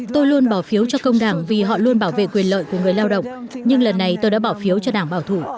tôi luôn bỏ phiếu cho công đảng vì họ luôn bảo vệ quyền lợi của người lao động nhưng lần này tôi đã bỏ phiếu cho đảng bảo thủ